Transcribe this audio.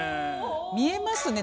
見えますね